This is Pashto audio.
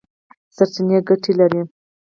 سرچینې ګټې لري.